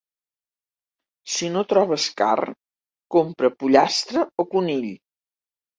Si no trobes carn, compra pollastre o conill.